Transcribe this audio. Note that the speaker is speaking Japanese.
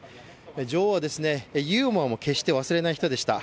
女王はユーモアも決して忘れない人でした。